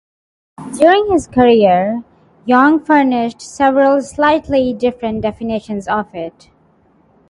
During his career, Jung furnished several slightly different definitions of it.